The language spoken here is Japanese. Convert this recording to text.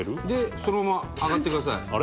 でそのまま上がってください。